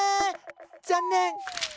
残念。